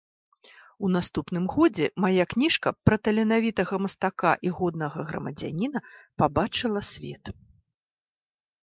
У наступным годзе мая кніжка пра таленавітага мастака і годнага грамадзяніна пабачыла свет.